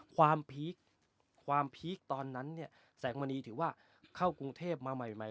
ความพีคความพีคตอนนั้นเนี่ยแสงมณีถือว่าเข้ากรุงเทพมาใหม่